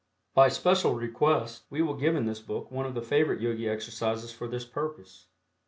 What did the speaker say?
By special request we will give in this book one of the favorite Yogi exercises for this purpose.